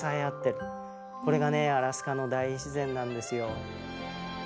これがねアラスカの大自然なんですよ。